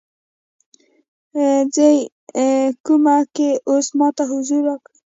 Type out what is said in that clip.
څې کومه کې اوس ماته حضور راکړی